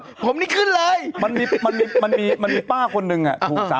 นักศัพท์อย่าลืมเพราะมีพญานาทนะ